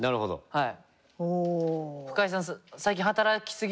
はい。